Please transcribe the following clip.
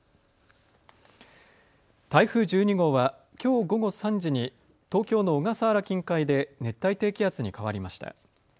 台風１２号はきょう午後３時に東京の小笠原近海で熱帯低気圧に変わりました。